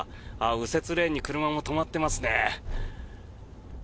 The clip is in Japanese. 右折レーンに車も止まっていますね。